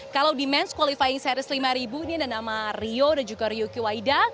kalau di ⁇ ns qualifying series lima ini ada nama rio dan juga ryuki waida